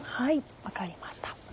分かりました。